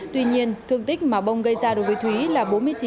tuy nhiên thương tích mà bông gây ra đối với thúy là bốn mươi chín